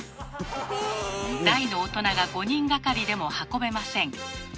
大の大人が５人がかりでも運べません。